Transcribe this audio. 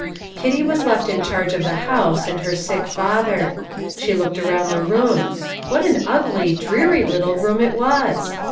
Kitty was left in charge of the house and her sick father. She looked around the room: what an ugly, dreary little room it was!